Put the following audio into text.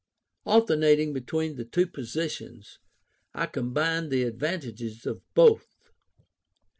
Alternating between the two positions, I combined the advantages of both.